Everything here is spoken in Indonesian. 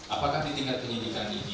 apakah di tingkat penyidikan ini